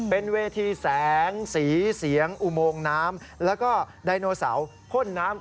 เป็นเวทีแสงสีเสียงอุโมงน้ำแล้วก็ไดโนเสาร์พ่นน้ำ